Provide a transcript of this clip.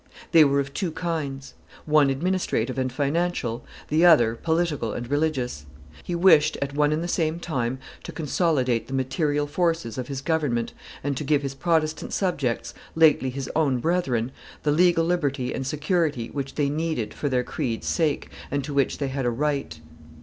They were of two kinds; one administrative and financial, the other political and religious; he wished at one and the same time to consolidate the material forces of his government and to give his Protestant subjects, lately his own brethren, the legal liberty and security which they needed for their creed's sake, and to which they had a right.